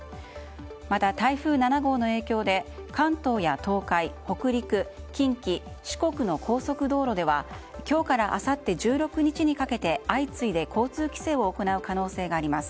また、台風７号の影響で関東や東海、北陸近畿、四国の高速道路では今日からあさって１６日にかけて相次いで交通規制を行う可能性があります。